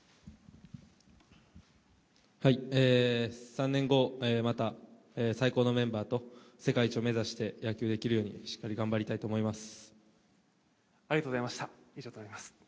３年後、また最高のメンバーと世界一を目指して野球ができるように、しっかり頑張りたいと思います。